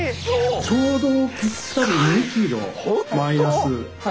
ちょうどぴったり２ｋｇマイナス。